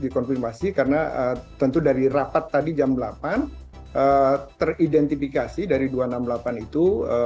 dikonfirmasi karena tentu dari rapat tadi jam delapan teridentifikasi dari dua ratus enam puluh delapan itu satu ratus dua puluh dua